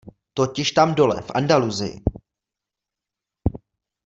Totiž tam dole, v Andalusii.